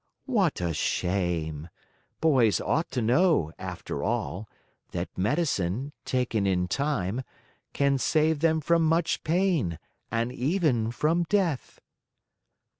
"What a shame! Boys ought to know, after all, that medicine, taken in time, can save them from much pain and even from death."